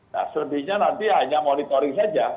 nah selebihnya nanti hanya monitoring saja